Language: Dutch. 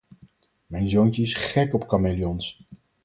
Mijn zoontje is gek op kameleons.